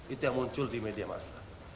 itu yang muncul di media massa